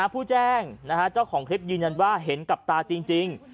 ผู้แจ้งเจ้าของคลิปยืนยันว่าเห็นกับตาจริง